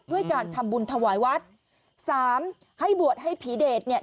ด้วยการทำบุญถวายวัดสามให้บวชให้ผีเดชเนี่ย